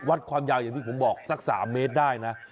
วัดความยาวอย่างที่ผมบอกสัก๓เมตรได้นะ